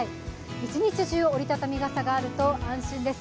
一日中、折り畳み傘があると安心です。